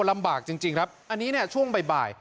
ลำบากจริงครับอันนี้เนี่ยช่วงบ่าย